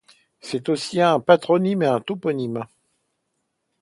C'est aussi un patronyme et un toponyme.